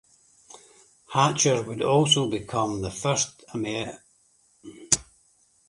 Hatcher would also become the first African American mayor in the state of Indiana.